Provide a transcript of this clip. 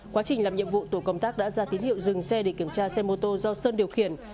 quá trình làm nhiệm vụ tổ công tác đã ra tín hiệu dừng xe để kiểm tra xe mô tô do sơn điều khiển